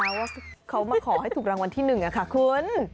ว่าเขามาขอให้ถูกรางวัลที่หนึ่งค่ะคุณ